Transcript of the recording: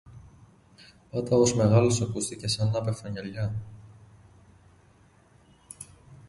Πάταγος μεγάλος ακούστηκε, σα να έπεφταν γυαλιά